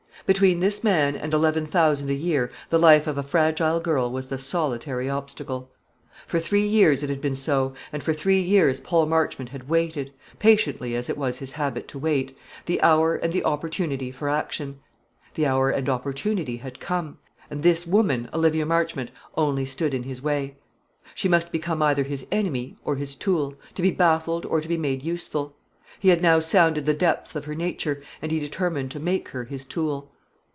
Between this man and eleven thousand a year the life of a fragile girl was the solitary obstacle. For three years it had been so, and for three years Paul Marchmont had waited patiently, as it was his habit to wait the hour and the opportunity for action. The hour and opportunity had come, and this woman, Olivia Marchmont, only stood in his way. She must become either his enemy or his tool, to be baffled or to be made useful. He had now sounded the depths of her nature, and he determined to make her his tool.